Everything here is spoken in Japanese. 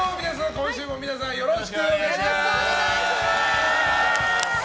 今週も皆さん、よろしくお願いします。